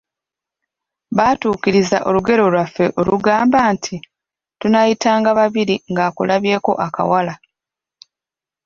Baatukiriza olugero lwaffe olugamba nti, “Tunaayitanga babiri ng’akulabyeko akawala.”